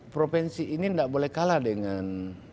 provinsi ini tidak boleh kalah dengan